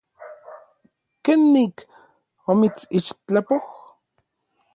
¿Kenik omitsixtlapoj?